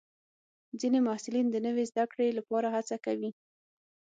ځینې محصلین د نوي زده کړې لپاره هڅه کوي.